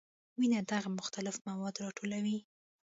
وینه دغه مختلف مواد راټولوي.